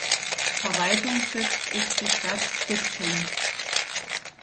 Verwaltungssitz ist die Stadt Skipton.